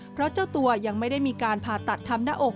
เพราะเจ้าตัวยังไม่ได้มีการผ่าตัดทำหน้าอก